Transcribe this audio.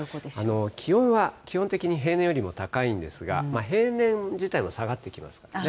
気温は基本的に平年よりも高いんですが、平年自体も下がってきますからね。